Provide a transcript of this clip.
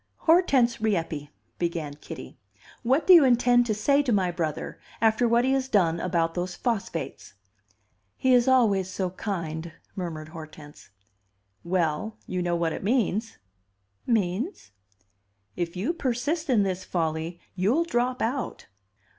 "Hortense Rieppe," began Kitty, "what do you intend to say to my brother after what he has done about those phosphates?" "He is always so kind," murmured Hortense. "Well, you know what it means." "Means?" "If you persist in this folly, you'll drop out."